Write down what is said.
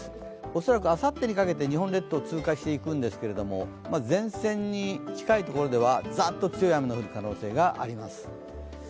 恐らくあさってにかけて日本列島を通過していくんですけれども、前線に近いところでは、ざっと強い雨が降る可能性があります。